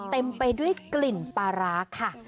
เต็มไปด้วยกลิ่นปลาร้าค่ะ